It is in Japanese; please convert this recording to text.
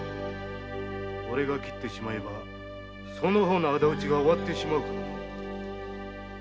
俺が斬ってしまえばその方の仇討ちが終わってしまうからな。